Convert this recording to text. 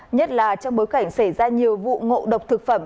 nhất là trong bối cảnh xảy ra nhiều vụ ngộ độc thực phẩm